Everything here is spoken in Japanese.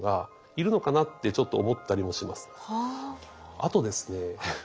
あとですね